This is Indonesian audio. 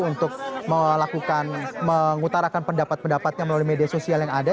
untuk melakukan mengutarakan pendapat pendapatnya melalui media sosial yang ada